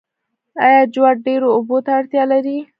آیا جوار ډیرو اوبو ته اړتیا لري؟